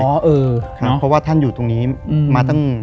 เพราะว่าท่านอยู่ตรงนี้มาตั้ง